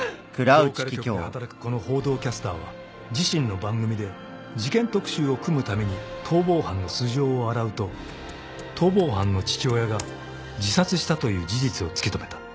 ［ローカル局で働くこの報道キャスターは自身の番組で事件特集を組むために逃亡犯の素性を洗うと逃亡犯の父親が自殺したという事実を突き止めた］